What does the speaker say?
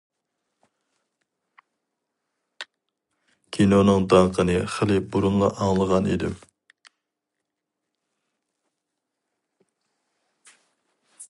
كىنونىڭ داڭقىنى خېلى بۇرۇنلا ئاڭلىغان ئىدىم.